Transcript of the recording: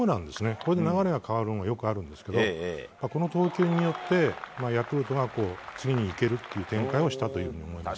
これで流れが変わるのよくあるんですがこの投球によってヤクルトが次にいけるという展開をしたと思います。